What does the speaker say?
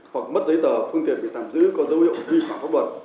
hoặc mất giấy tờ phương tiện bị tạm giữ có dấu hiệu vi phạm pháp luật